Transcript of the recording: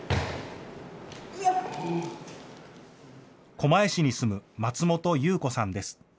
狛江市に住む松本裕子さんです。